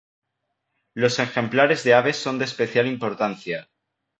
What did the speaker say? La ejemplares de aves son de especial importancia.